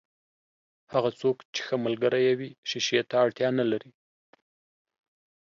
هغه څوک چې ښه ملګری يې وي، شیشې ته اړتیا نلري.